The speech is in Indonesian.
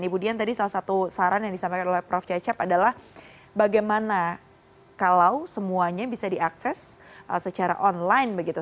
ibu dian tadi salah satu saran yang disampaikan oleh prof cecep adalah bagaimana kalau semuanya bisa diakses secara online begitu